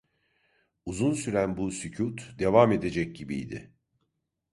Uzun süren bu sükût devam edecek gibiydi.